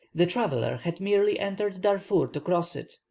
The traveller had merely entered Darfur to cross it.